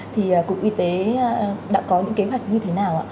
thì cục y tế đã có những kế hoạch như thế nào ạ